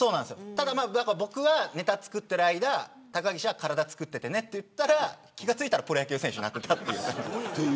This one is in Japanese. ただ、僕がネタ作ってる間高岸は体つくっててねと言ったら気が付いたらプロ野球選手になっていた。